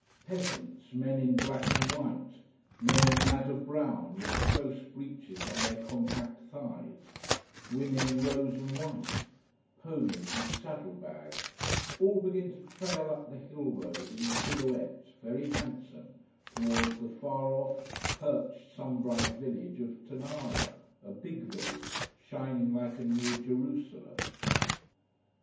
Peasants, men in black and white, men in madder brown, with the close breeches on their compact thighs, women in rose and white, ponies with saddle bags, all begin to trail up the hill road in silhouette, very handsome, towards the far off, perched, sun bright village of Tonara, a big village, shining like a New Jerusalem.